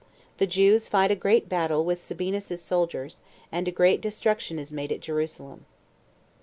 The Jews Fight A Great Battle With Sabinus's Soldiers, And A Great Destruction Is Made At Jerusalem.